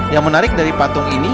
yang menarik dari patung ini